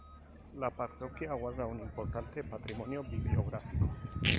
La parroquia guarda un importante patrimonio bibliográfico.